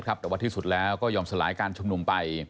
แต่ว่าที่สุดแล้วก็ยอมสลายการชุมนุมไป